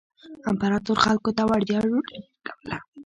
امپراتور خلکو ته وړیا ډوډۍ ورکوله.